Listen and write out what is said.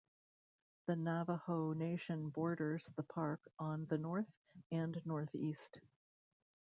The Navajo Nation borders the park on the north and northeast.